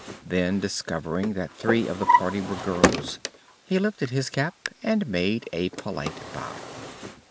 Then, discovering that three of the party were girls, he lifted his cap and made a polite bow.